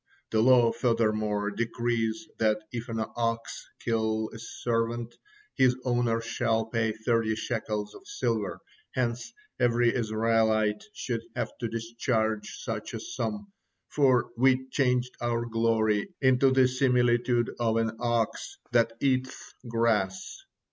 The law furthermore decrees that if an ox kill a servant, his owner shall pay thirty shekels of silver, hence every Israelite should have to discharge such a sum, for 'we changed our glory into the similitude of an ox that eateth grass.'